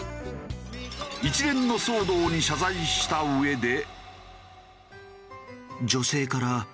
一連の騒動に謝罪したうえで。